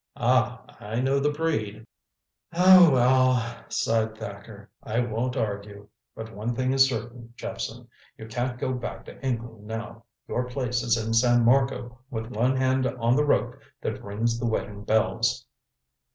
Ah, I know the breed." "Oh, well," sighed Thacker, "I won't argue. But one thing is certain, Jephson. You can't go back to England now. Your place is in San Marco with one hand on the rope that rings the wedding bells."